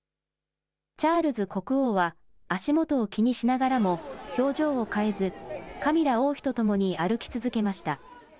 チャールズ国王は足元を気にしながらも表情を変えずカミラ王妃と共に歩き続けました。